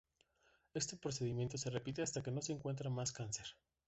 Este procedimiento se repite hasta que no se encuentra más cáncer.